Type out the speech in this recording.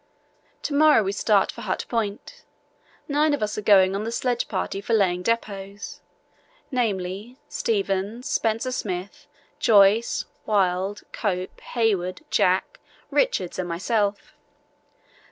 To morrow we start for Hut Point. Nine of us are going on the sledge party for laying depots—namely, Stevens, Spencer Smith, Joyce, Wild, Cope, Hayward, Jack, Richards, and myself.